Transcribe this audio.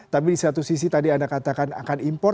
tapi di satu sisi tadi anda katakan akan impor